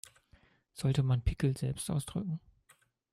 Sollte man Pickel selbst ausdrücken?